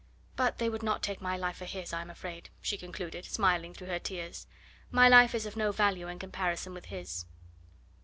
But they would not take my life for his, I am afraid," she concluded, smiling through her tears. "My life is of no value in comparison with his."